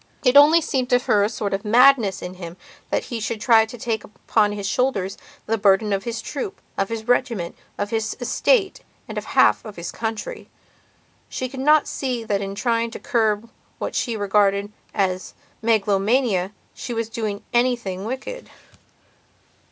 It only seemed to her a sort of madness in him that he should try to take upon his own shoulders the burden of his troop, of his regiment, of his estate and of half of his country. She could not see that in trying to curb what she regarded as megalomania she was doing anything wicked.